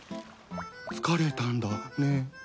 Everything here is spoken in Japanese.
疲れたんだね。